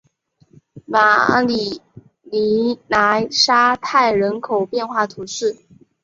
马里尼莱沙泰人口变化图示